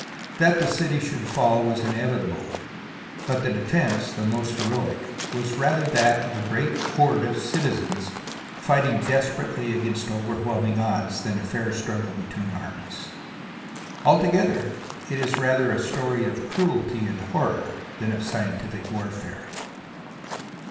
That the city should fall was inevitable, but the defence, though most heroic, was rather that of a great horde of citizens fighting desperately against overwhelm ing odds, than a fair struggle between armies. Al together, it is rather a story of cruelty and horror than of scientific warfare.